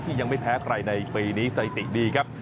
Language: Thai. ยังไม่แพ้ใครในปีนี้สถิติดีครับ